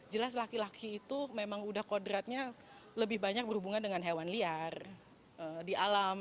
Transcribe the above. jelas laki laki itu memang udah kodratnya lebih banyak berhubungan dengan hewan liar di alam